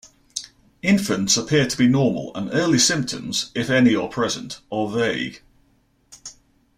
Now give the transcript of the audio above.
Infants appear to be normal and early symptoms, if any are present, are vague.